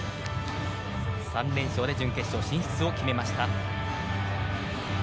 ３連勝で準決勝出場を決めました。